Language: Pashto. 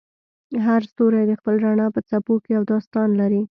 هر ستوری د خپل رڼا په څپو کې یو داستان لري.